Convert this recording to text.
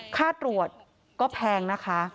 ค่าตรวจก็แพงนะคะ